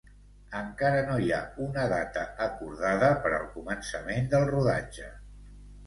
Encara no hi ha una data acordada per al començament del rodatge.